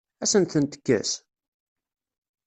Ad asen-tent-tekkes?